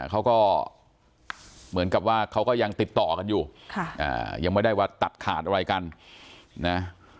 เขาก็เหมือนกับว่าเขาก็ยังติดต่อกันอยู่ยังไม่ได้ว่าตัดขาดอะไรกันนะ